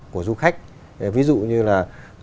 của du khách ví dụ như là